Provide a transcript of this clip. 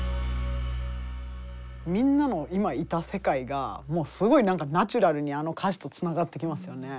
みんなの今いた世界がすごいナチュラルにあの歌詞とつながってきますよね。